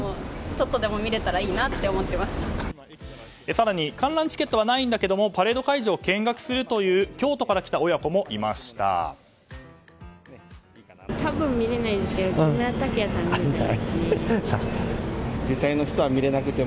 更に観覧チケットはないんだけれどパレード会場を見学するという京都から来た親子もいました。